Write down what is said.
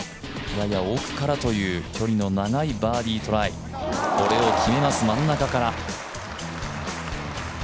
やや奥からという距離の長いバーディートライ、これを決めます、真ん中から。